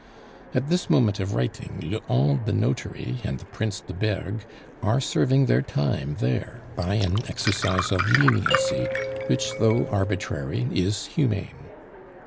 At this moment of writing Lehon the notary and the Prince de Bergues are serving their time there by an exercise of leniency which, though arbitrary, is humane.